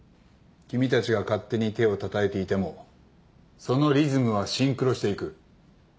君たちが勝手に手をたたいていてもそのリズムはシンクロしていく。